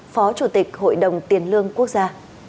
phó chủ tịch hội đồng tiền lương quốc gia